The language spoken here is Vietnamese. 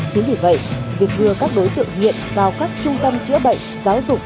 chính vì vậy việc đưa các đối tượng nghiện vào các trung tâm chữa bệnh giáo dục